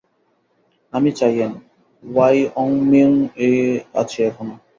আমি চাইয়েন, ওয়াইওমিং-এ আছি এখনো।